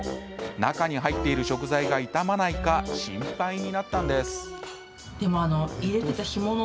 中に入っている食材が傷まないか心配になったんです。